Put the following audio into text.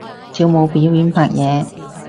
跳舞表演拍嘢